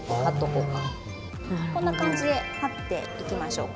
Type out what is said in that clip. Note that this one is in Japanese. こんな感じで貼っていきましょうか。